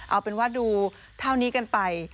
เอาเป็นว่าดูเท่านี้กันไป